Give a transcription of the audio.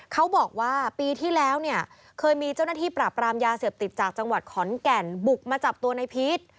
เขาบอกว่าปีที่แล้วเนี่ยเคยมีเจ้าหน้าที่ปราบรามยาเสพติดจากจังหวัดขอนแก่นบุกมาจับตัวในพีช